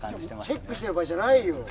チェックしている場合じゃないよ。